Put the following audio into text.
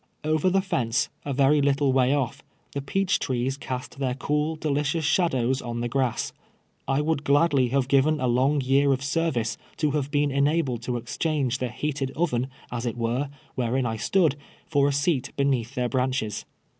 Over the fence, a very little way otf, the peach trees cast their cool, delicious shadows on the grass. I would gladly have given a long year of service to have been ena bled to exchange the heated oven, as it were, where in I stood, for a seat beneath their branches.